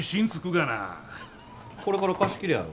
これから貸し切りやろ？